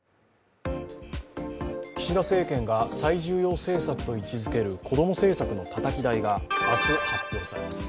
岸田政権が最重要政策と位置づける子ども政策のたたき台が明日、発表されます。